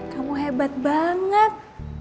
kamu hebat banget